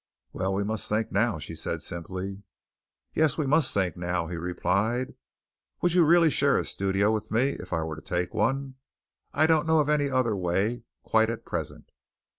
"Well, we must think now," she said simply. "Yes, we must think now," he replied; "would you really share a studio with me if I were to take one? I don't know of any other way quite at present."